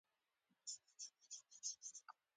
ځینې محصلین د مطالعې پر مهال تمرکز زیاتوي.